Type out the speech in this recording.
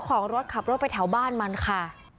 ก็ขับรถไปแถวบ้านมันค่ะ